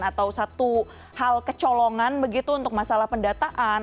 atau satu hal kecolongan begitu untuk masalah pendataan